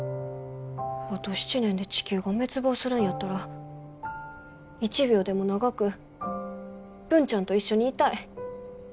あと７年で地球が滅亡するんやったら一秒でも長く文ちゃんと一緒にいたい。